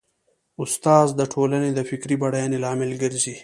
استاد د ټولنې د فکري بډاینې لامل ګرځي.